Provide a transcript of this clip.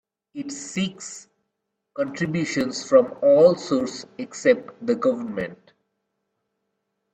It seeks contributions from all sources except the government.